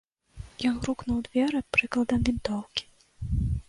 Ён грукнуў у дзверы прыкладам вінтоўкі.